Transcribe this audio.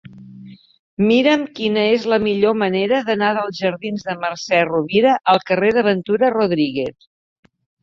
Mira'm quina és la millor manera d'anar dels jardins de Mercè Rovira al carrer de Ventura Rodríguez.